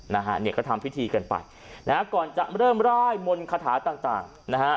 นะฮะเนี่ยก็ทำพิธีกันไปนะฮะก่อนจะเริ่มร่ายมนต์คาถาต่างต่างนะฮะ